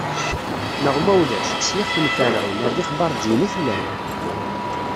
Neɣ ma ulac, s yixf n Ferɛun, ar d ixbaṛǧiyen i tellam.